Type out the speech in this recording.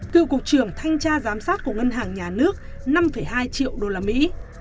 cựu cục trưởng thanh tra giám sát của ngân hàng nhà nước năm hai triệu đô la mỹ